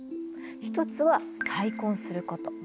一つは再婚すること。